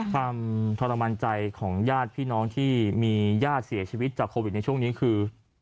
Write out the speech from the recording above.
ความทรมานใจของญาติพี่น้องที่มีญาติเสียชีวิตจากโควิดในช่วงนี้คือ